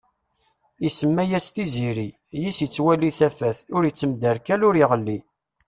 Isemma-yas Tiziri, yiss ittwali tafat. Ur ittemderkal ur iɣelli.